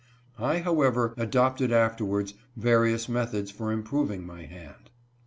I however adopted, afterward, HIS PROGRESS. 115 various methods for improving my hand.